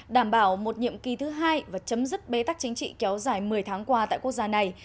đảm bảo một nhiệm kỳ thứ hai và chấm dứt bế tắc chính trị kéo dài một mươi tháng qua tại quốc gia này